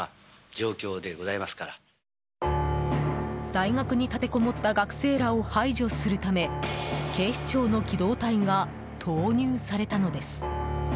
大学に立てこもった学生らを排除するため警視庁の機動隊が投入されたのです。